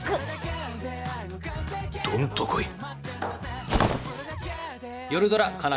どんと来い。